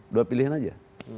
dua pilihan saja